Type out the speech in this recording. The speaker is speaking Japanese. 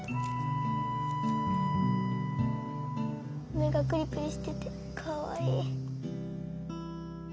目がクリクリしててかわいい。